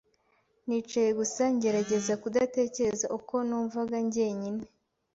Nicaye gusa ngerageza kudatekereza uko numvaga njyenyine.